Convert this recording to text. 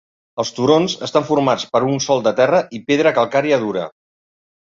Els turons estan formats per un sòl de terra i pedra calcària dura.